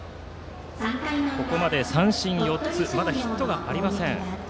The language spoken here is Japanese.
ここまで三振４つで鳥取商業はまだヒットがありません。